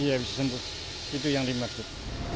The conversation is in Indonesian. iya bisa sembuh itu yang dimaksud